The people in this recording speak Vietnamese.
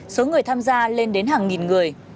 số người tham gia lên đến hàng nghìn người